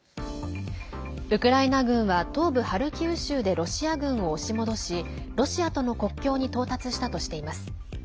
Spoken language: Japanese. ウクライナ軍は東部ハルキウ州でロシア軍を押し戻しロシアとの国境に到達したとしています。